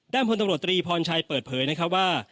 ด้านพลตำรวจตรีพรชัยเปิดเผยว่า